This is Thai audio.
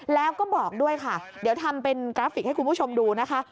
แล้วก็บอกด้วยค่ะเดี๋ยวทำเป็นกราฟิกให้คุณผู้ชมดูนะคะ